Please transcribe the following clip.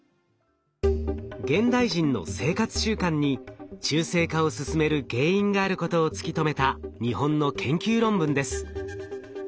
現代人の生活習慣に中性化を進める原因があることを突き止めた日本の研究論文です。